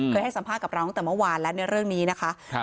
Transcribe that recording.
เคยให้สัมภาพกับเรานั้นตั้งแต่เมื่อวานและในเรื่องนี้นะคะ